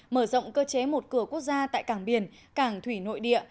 mở rộng cơ chế một cửa quốc gia tại cảng biển cảng thủy nội địa